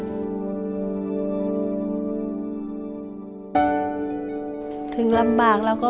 พี่น้องของหนูก็ช่วยย่าทำงานค่ะ